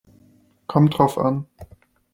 Kommt drauf an.